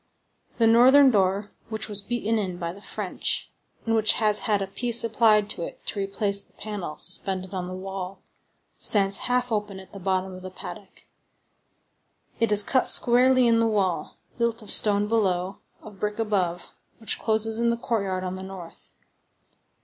The northern door, which was beaten in by the French, and which has had a piece applied to it to replace the panel suspended on the wall, stands half open at the bottom of the paddock; it is cut squarely in the wall, built of stone below, of brick above which closes in the courtyard on the north.